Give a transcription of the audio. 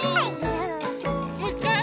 もういっかい？